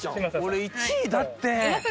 俺１位だって。